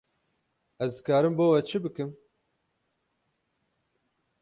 Ez dikarim bo we çi bikim?